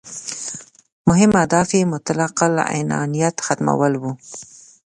مهم اهداف یې مطلق العنانیت ختمول وو.